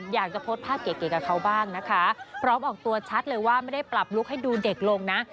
อยากจะโพสต์ภาพเก๋กับเขาบ้างนะคะพร้อมออกตัวชัดเลยว่าไม่ได้ปรับลุคให้ดูเด็กลงนะ